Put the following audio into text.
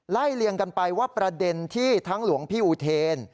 เลียงกันไปว่าประเด็นที่ทั้งหลวงพี่อุเทน